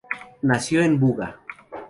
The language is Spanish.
Nació en Buga.